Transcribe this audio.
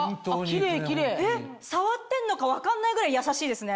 触ってんのか分かんないぐらい優しいですね。